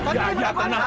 ya ya tenang